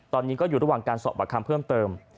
ตอนนี้ก็อยู่ระหว่างการสอบประคำเพิ่มเติม